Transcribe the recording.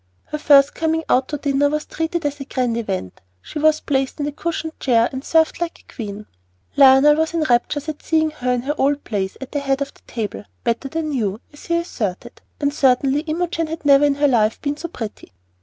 Her first coming out to dinner was treated as a grand event. She was placed in a cushioned chair and served like a queen. Lionel was in raptures at seeing her in her old place, at the head of the table, "better than new," as he asserted; and certainly Imogen had never in her life been so pretty.